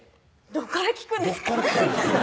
どこから聞くんですか？